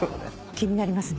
気になりますね。